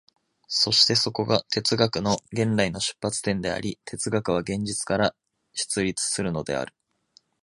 そしてそこが哲学の元来の出発点であり、哲学は現実から出立するのである。